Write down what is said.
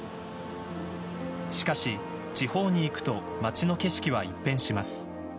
しかし地方に行くと街の景色は一変します。